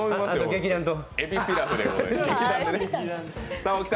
劇団と。